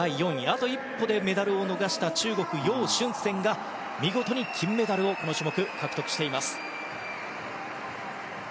あと一歩でメダルを逃した中国、ヨウ・シュンセンが見事に金メダルをこの種目で獲得しています。